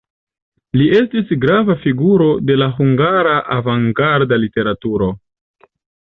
Li estis grava figuro de la hungara avangarda literaturo.